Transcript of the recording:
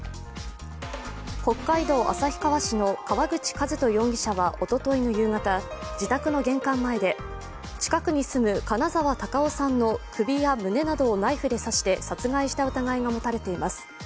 北海道旭川市の川口和人容疑者はおとといの夕方、自宅の玄関前で近くに住む金澤孝雄さんの首や胸などをナイフで刺して殺害した疑いが持たれています。